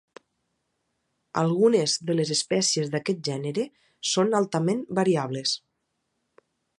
Algunes de les espècies d'aquest gènere són altament variables.